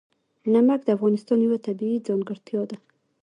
نمک د افغانستان یوه طبیعي ځانګړتیا ده.